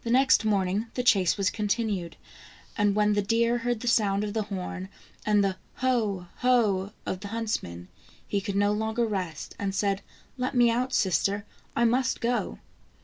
206 THE ENCHANTED FA WN deer heard the sound of the horn, and the " Ho! ho!'' of the huntsmen, he could no longer rest, and said :" Let me out, sister, I must go."